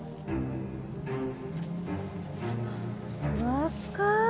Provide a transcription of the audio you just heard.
若い！